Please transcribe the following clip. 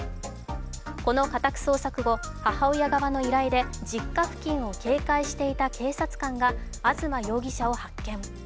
この家宅捜索後、母親側の依頼で実家付近を警戒していた警察官が東容疑者を発見。